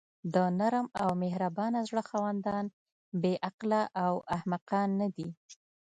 د نرم او مهربانه زړه خاوندان بې عقله او احمقان ندي.